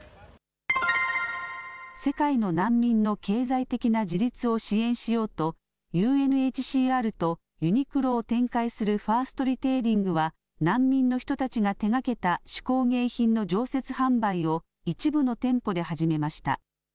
世界の難民の経済的な自立を支援しようと、ＵＮＨＣＲとユニクロを展開するファーストリテイリングは、難民の人たちが手がけた手工芸品の常設販売を一部の店舗で始めました。